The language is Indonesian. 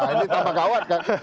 ini tanpa kawat kan